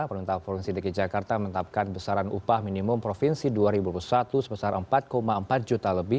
pemerintah provinsi dki jakarta menetapkan besaran upah minimum provinsi dua ribu dua puluh satu sebesar empat empat juta lebih